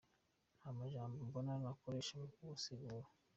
Nta majambo mbona nokoresha mu kubisigura.